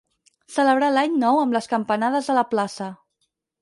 Celebrar l'any nou amb les campanades a la plaça.